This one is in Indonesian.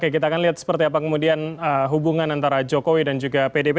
kita akan lihat seperti apa kemudian hubungan antara jokowi dan juga pdp